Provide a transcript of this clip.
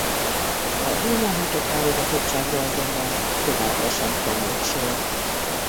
A hőn áhított válogatottságra azonban továbbra sem került sor.